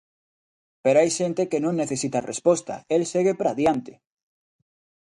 Pero hai xente que non necesita resposta, el segue para adiante.